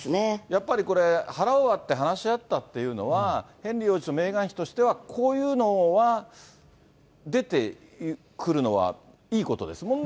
やっぱりこれ、腹を割って話し合ったというのは、ヘンリー王子とメーガン妃としては、こういうのは出てくるのはいいことですもんね。